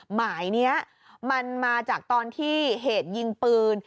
หมายนี้มันมาจากตอนที่เหตุยิงปืน